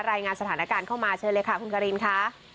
รายงานสถานการณ์เข้ามาเชิญเลยค่ะคุณคารินค่ะ